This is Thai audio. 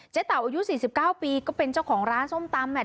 เจ๊ต่าอายุสี่สิบเก้าปีก็เป็นเจ้าของร้านส้มตำแหม